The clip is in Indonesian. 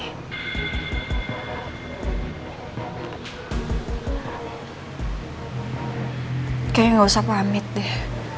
kayaknya nggak usah pamit deh